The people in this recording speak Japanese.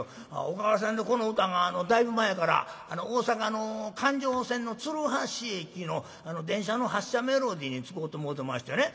おかげさんでこの歌がだいぶ前から大阪の環状線の鶴橋駅の電車の発車メロディーに使うてもろうてましてね